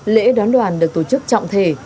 lễ đón đoàn được tổ chức trọng thể